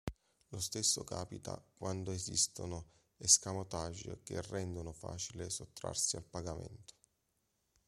Lo stesso capita quando esistono "escamotage" che rendono facile sottrarsi al pagamento.